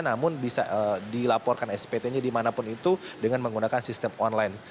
namun bisa dilaporkan spt nya dimanapun itu dengan menggunakan sistem online